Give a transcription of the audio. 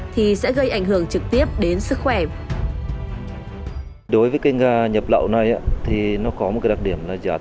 thì sẽ gây ảnh hưởng trực tiếp đến sức khỏe